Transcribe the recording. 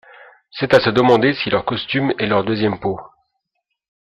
C'est à se demander si leur costume est leur deuxième peau.